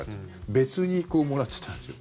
別にもらってたんですよ。